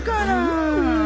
うん。